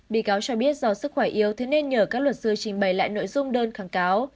bị cáo cho biết do sức khỏe yếu thế nên nhờ các luật sư trình bày lại nội dung đơn kháng cáo